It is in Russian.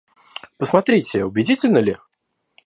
Посмотрите, убедительно ли?